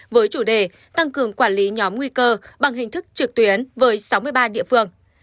với chủ đề tăng cường quản lý nhóm nguy cơ bằng hình thức trực tuyến với sáu mươi ba địa phương